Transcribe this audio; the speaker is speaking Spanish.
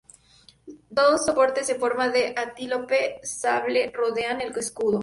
Dos soportes en forma de antílope sable rodean el escudo.